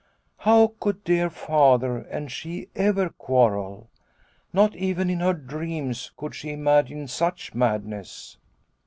How could dear Father and she ever quarrel ? Not even in her dreams could she imagine such madness."